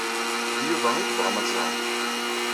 D Yuba ay tebɣam ad teẓrem.